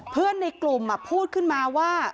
เพื่อนในกลุ่มพูดขึ้นมาว่า